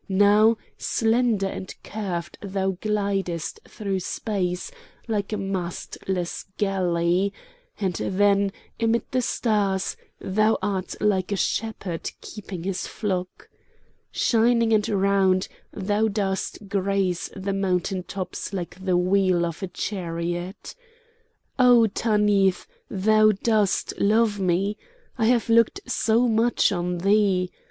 Now, slender and curved thou glidest through space like a mastless galley; and then, amid the stars, thou art like a shepherd keeping his flock. Shining and round, thou dost graze the mountain tops like the wheel of a chariot. "O Tanith! thou dost love me? I have looked so much on thee!